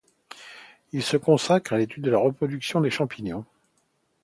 Il se consacre à l’étude de la reproduction des champignons.